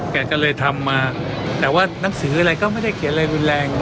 แกก็เลยทำมาแต่ว่านังสืออะไรก็ไม่ได้เขียนอะไรรุนแรง